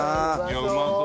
うまそう！